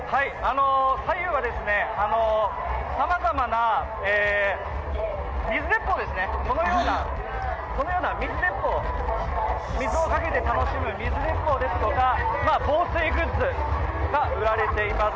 左右はさまざまな、このような水鉄砲ですね、水をかけて楽しむ水鉄砲ですとか放水グッズが売られています。